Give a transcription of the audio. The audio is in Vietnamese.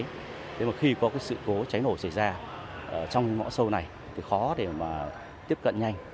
thế mà khi có cái sự cố cháy nổ xảy ra trong ngõ sâu này thì khó để mà tiếp cận nhanh